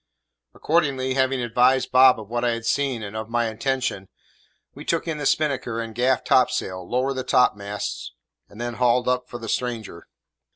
Accordingly, having advised Bob of what I had seen and of my intention, we took in the spinnaker and gaff topsail, lowered the topmast, and then hauled up for the stranger.